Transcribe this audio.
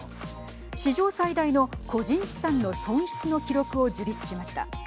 史上最大の個人資産の損失の記録を樹立しました。